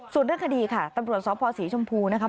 ส่วนเรื่องคดีค่ะตำรวจสพศรีชมพูนะครับ